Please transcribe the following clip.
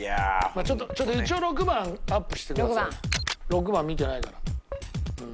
６番見てないから。